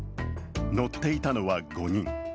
乗っていたのは５人。